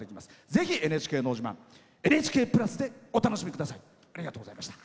ぜひ「ＮＨＫのど自慢」「ＮＨＫプラス」でお楽しみください。